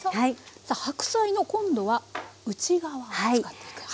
さあ白菜の今度は内側を使っていく。